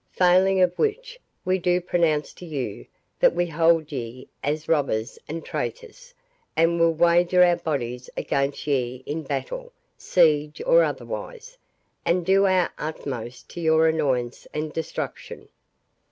Failing of which, we do pronounce to you, that we hold ye as robbers and traitors, and will wager our bodies against ye in battle, siege, or otherwise, and do our utmost to your annoyance and destruction.